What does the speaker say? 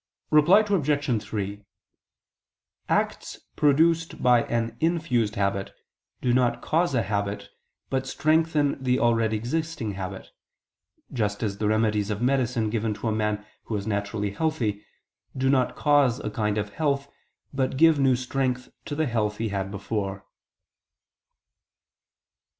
Reply Obj. 3: Acts produced by an infused habit, do not cause a habit, but strengthen the already existing habit; just as the remedies of medicine given to a man who is naturally health, do not cause a kind of health, but give new strength to the health he had before.